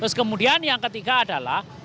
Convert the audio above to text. terus kemudian yang ketiga adalah